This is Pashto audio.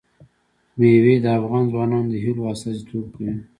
مېوې د افغان ځوانانو د هیلو استازیتوب کوي.